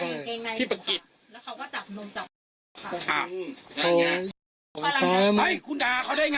แล้วเขาก็จับนมจับโอ้ยโอ้ยตายแล้วมันเอ้ยคุณด่าเขาได้ไง